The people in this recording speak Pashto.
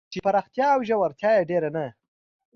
چې پراختیا او ژورتیا یې ډېر نه